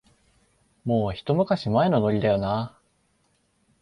もう、ひと昔前のノリだよなあ